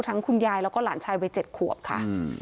คุณยายแล้วก็หลานชายวัย๗ขวบค่ะ